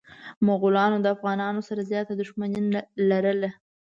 مغولو د افغانانو سره زياته دښمني لرله.